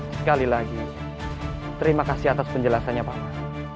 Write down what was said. sekali lagi terima kasih atas penjelasannya pak mas